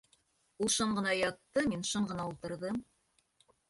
Ул шым ғына ятты, мин шым ғына ултырҙым.